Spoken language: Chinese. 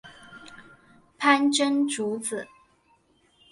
潘珍族子。